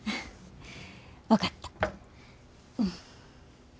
分かった。